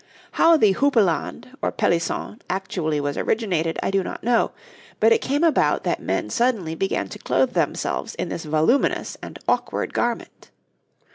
How the houppelande or peliçon actually was originated I do not know, but it came about that men suddenly began to clothe themselves in this voluminous and awkward garment.